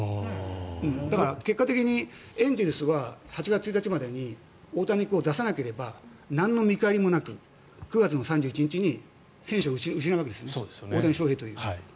だから、結果的にエンゼルスは８月１日までに大谷君を出さなければなんの見返りもなく９月の３１日に選手を失うわけです大谷翔平という。